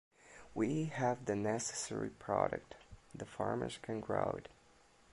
We have the necessary product, the farmers can grow it.